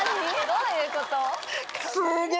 どういうこと？